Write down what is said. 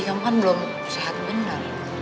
yang kan belum sehat benar